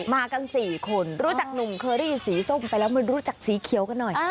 มากัน๔คนรู้จักหนุ่มเคอรี่สีส้มไปแล้วมารู้จักสีเขียวกันหน่อย